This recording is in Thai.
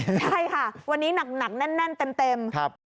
ใช่ค่ะวันนี้หนักแน่นเต็ม